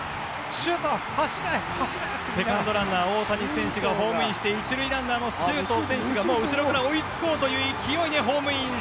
２塁ランナーの大谷選手がホームインして１塁ランナーの周東選手がもう後ろから追いつこうという勢いでホームイン。